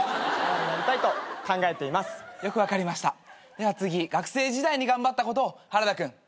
では次学生時代に頑張ったことを原田君。